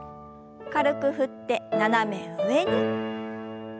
軽く振って斜め上に。